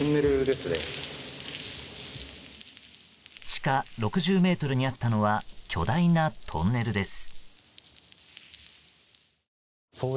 地下６０ｍにあったのは巨大なトンネルです。